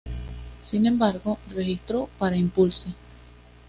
Sin embargo, registró para Impulse!